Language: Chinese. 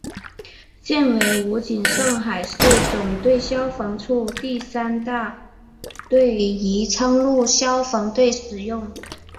现为武警上海市总队消防处第三大队宜昌路消防队使用。